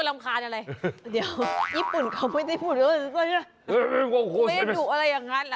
คุณลำคาญอะไรเดี๋ยวญี่ปุ่นเพื่อยไม่ดูอะไรอย่างนั้น